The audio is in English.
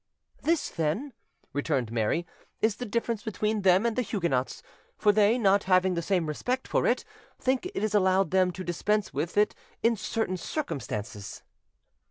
"This, then," returned Mary, "is the difference between them and the Huguenots; for they, not having the same respect for it, think it is allowed them to dispense with it in certain circumstances."